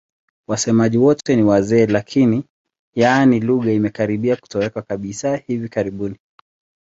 Wasemaji wote ni wazee lakini, yaani lugha imekaribia kutoweka kabisa hivi karibuni.